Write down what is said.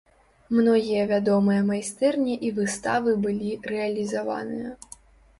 Многія вядомыя майстэрні і выставы былі рэалізаваныя.